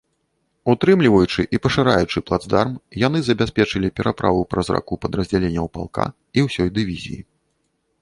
Утрымліваючы і пашыраючы плацдарм, яны забяспечылі пераправу праз раку падраздзяленняў палка і ўсёй дывізіі.